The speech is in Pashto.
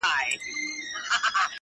o چي نه کوي حبيب، څه به وکي خوار طبيب٫